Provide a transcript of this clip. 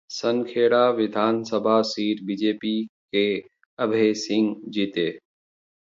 सनखेड़ा विधानसभा seat: BJP के अभेसिंह जीते